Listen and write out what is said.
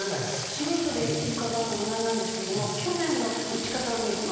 素人で伺うのもなんなんですけども去年の打ち方を見るまあ